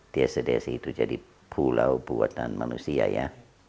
desa desa itu jadi pulau buatan manusia ya